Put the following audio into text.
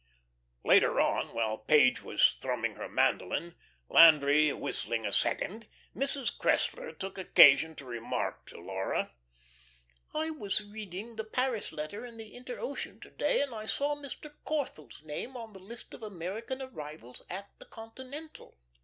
Later on, while Page was thrumming her mandolin, Landry whistling a "second," Mrs. Cressler took occasion to remark to Laura: "I was reading the Paris letter in the 'Inter Ocean' to day, and I saw Mr. Corthell's name on the list of American arrivals at the Continental.